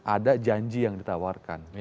ada janji yang ditawarkan